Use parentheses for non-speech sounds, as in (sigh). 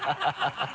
ハハハ (laughs)